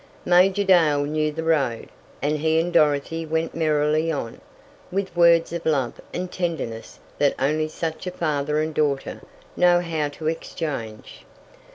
But Major Dale knew the road, and he and Dorothy went merrily on, with words of love and tenderness that only such a father and daughter know how to exchange.